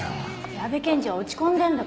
矢部検事は落ち込んでんだから。